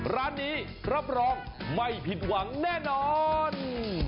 ร้านนี้รับรองไม่ผิดหวังแน่นอน